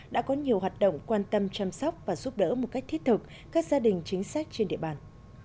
đã có nhiều hoạt động quan tâm chăm sóc và giúp đỡ một cách thiết thực các gia đình chính xác trên địa bàn